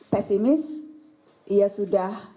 pesimis ia sudah